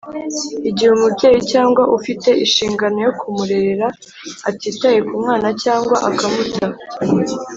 igihe umubyeyi cyangwa ufite ishingano yo kumurera atitaye ku mwana cyangwa akamuta,